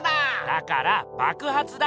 だからばくはつだってば。